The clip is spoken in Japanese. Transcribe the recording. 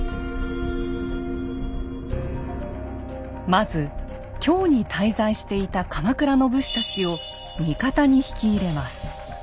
まず京に滞在していた鎌倉の武士たちを味方に引き入れます。